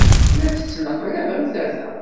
La tettneqlab am tata.